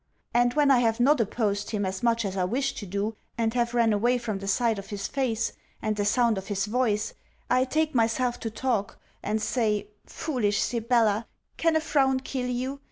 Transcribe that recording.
And when I have not opposed him as much as I wish to do, and have ran away from the fight of his face, and the sound of his voice, I take myself to talk, and say, foolish Sibella! Can a frown kill you?